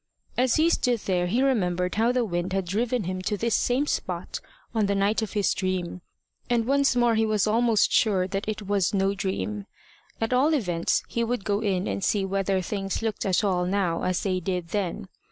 As he stood there he remembered how the wind had driven him to this same spot on the night of his dream. And once more he was almost sure that it was no dream. At all events, he would go in and see whether things looked at all now as they did then.